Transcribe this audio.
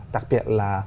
đặc biệt là